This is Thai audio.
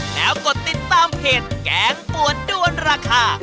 แล้วกดติดตามเพจแกงปวดด้วนราคา